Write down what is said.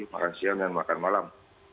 makan siang dan makan malam